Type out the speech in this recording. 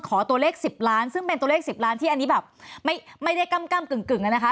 ตัวเลข๑๐ล้านซึ่งเป็นตัวเลข๑๐ล้านที่อันนี้แบบไม่ได้ก้ำกึ่งนะคะ